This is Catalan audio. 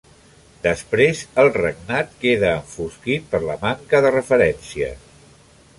Després el regnat queda enfosquit per la manca de referències.